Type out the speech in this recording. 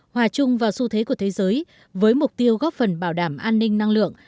hòa chung vào xu thế của thế giới với mục tiêu góp phần bảo đảm an ninh năng lượng